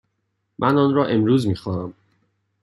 من آن را امروز می خواهم.